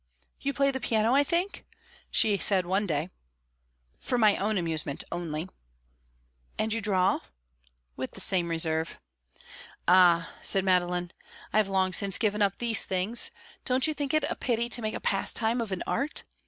"You play the piano, I think?" she said one day. "For my own amusement only." "And you draw?" "With the same reserve." "Ah," said Madeline, "I have long since given up these things. Don't you think it is a pity to make a pastime of an art?